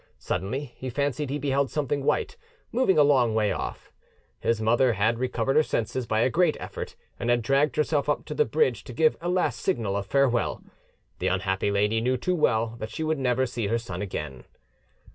Suddenly he fancied he beheld something white moving a long way off: his mother had recovered her senses by a great effort, and had dragged herself up to the bridge to give a last signal of farewell: the unhappy lady knew too well that she would never see her son again.